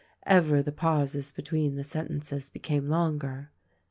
Ever the pauses between the sentences became longer.